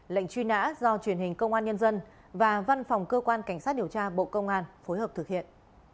lệnh truy nã do truyền hình công an nhân dân và văn phòng cơ quan cảnh sát điều tra bộ công an phối hợp thực hiện